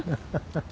ハハハ。